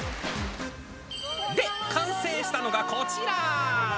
で、完成したのがこちら。